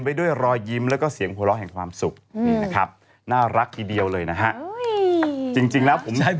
๒๐ปีแล้วมีสามเครื่องค่าย